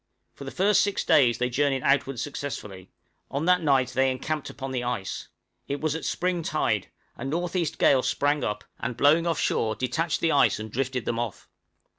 For the first six days they journeyed outward successfully; on that night they encamped upon the ice; it was at spring tide, a N.E. gale sprang up, and blowing off shore detached the ice and drifted them off!